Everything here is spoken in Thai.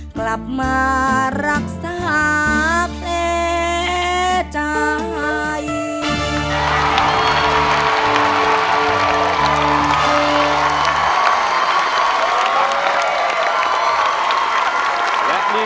กลับมารักษาแปลใจ